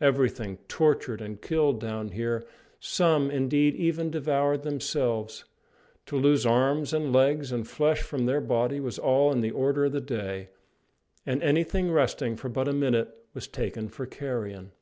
Everything tortured and killed down here, some, indeed, even devoured themselves. To lose arms and legs and flesh from their body was all in the order of the day; and anything resting for but a minute was taken for carrion.